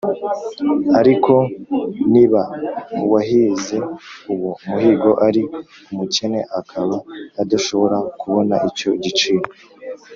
Ariko niba uwahize uwo muhigo ari umukene akaba adashobora kubona icyo giciro